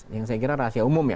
yang saya kira rahasia umum ya